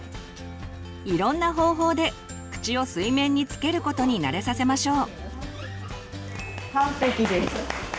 いろんな方法で口を水面につけることに慣れさせましょう。